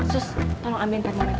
sus tolong ambilin termometernya